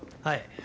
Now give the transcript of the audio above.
はい。